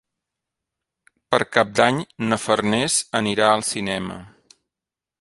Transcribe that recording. Per Cap d'Any na Farners anirà al cinema.